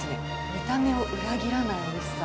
見た目を裏切らないおいしさ。